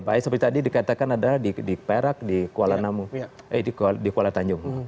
baik seperti tadi dikatakan adalah di perak di kuala tanjung